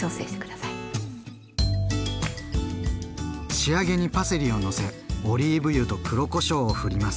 仕上げにパセリをのせオリーブ油と黒こしょうをふります。